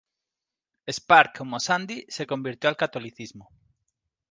Spark, como Sandy, se convirtió al catolicismo.